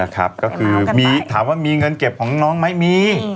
ก็คือถามว่ามีเงินเก็บของน้องไหมมี